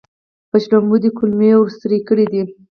په شړومبو دې کولمې ور سورۍ کړې دي.